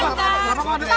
bung bung hati hati ya